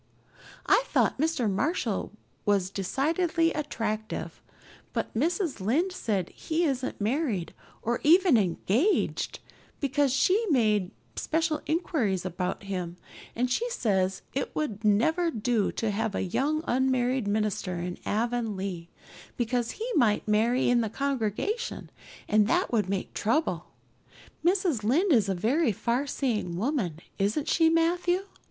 I thought Mr. Marshall was decidedly attractive; but Mrs. Lynde says he isn't married, or even engaged, because she made special inquiries about him, and she says it would never do to have a young unmarried minister in Avonlea, because he might marry in the congregation and that would make trouble. Mrs. Lynde is a very farseeing woman, isn't she, Matthew?